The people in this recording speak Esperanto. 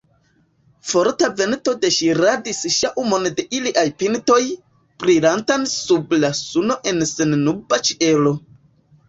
Forta vento deŝiradis ŝaŭmon de iliaj pintoj, brilantan sub la suno en sennuba ĉielo.